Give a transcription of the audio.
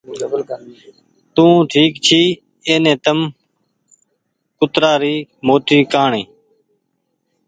تو ٺيڪ ڇي ايني تم ڪترآ ري موٽي کآڻي